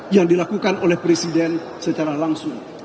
yang dilakukan oleh presiden secara langsung